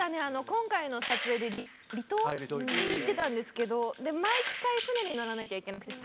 今回の撮影で離島に行ってたんですけど毎回、船に乗らなきゃいけなくて。